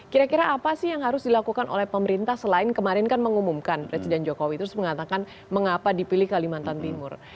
kira kira apa sih yang harus dilakukan oleh pemerintah selain kemarin kan mengumumkan presiden jokowi terus mengatakan mengapa dipilih kalimantan timur